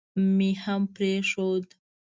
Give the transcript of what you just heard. مې هم پرېښود.